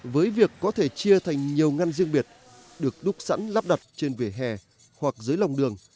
với việc có thể chia thành nhiều ngăn riêng biệt được đúc sẵn lắp đặt trên vỉa hè hoặc dưới lòng đường